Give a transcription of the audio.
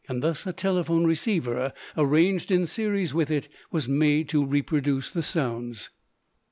Thus a telephone receiver arranged in series with it was made to reproduce the sounds.